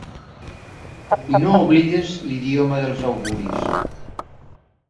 I no oblidis l'idioma dels auguris.